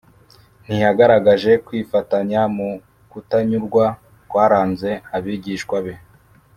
Ntiyagaragaje kwifatanya mu kutanyurwa kwaranze abigishwa be